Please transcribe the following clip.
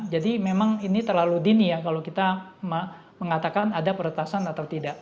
jadi memang ini terlalu dini ya kalau kita mengatakan ada peretasan atau tidak